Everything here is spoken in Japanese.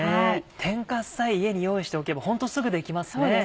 天かすさえ家に用意しておけば本当すぐできますね。